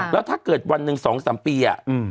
แล้วถ้าเกิดวันหนึ่ง๒๓ปี